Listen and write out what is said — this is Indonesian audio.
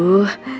kamu tuh keras ya